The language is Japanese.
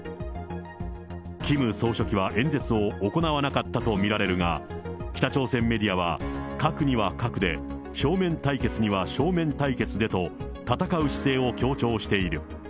キム総書記は演説を行わなかったと見られるが、北朝鮮メディアは核には核で、正面対決には正面対決でと、戦う姿勢を強調している。